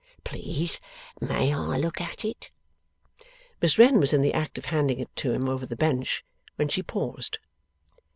Please may I look at it?' Miss Wren was in the act of handing it to him over her bench, when she paused.